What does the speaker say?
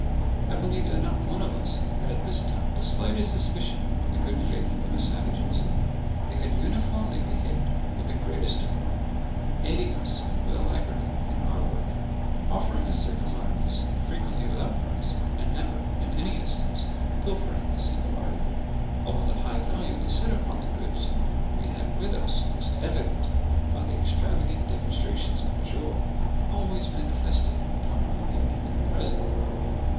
I believe that not one of us had at this time the slightest suspicion of the good faith of the savages. They had uniformly behaved with the greatest decorum, aiding us with alacrity in our work, offering us their commodities, frequently without price, and never, in any instance, pilfering a single article, although the high value they set upon the goods we had with us was evident by the extravagant demonstrations of joy always manifested upon our making them a present.